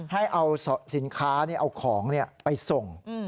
ให้เอาสินค้าเนี่ยเอาของเนี่ยไปส่ง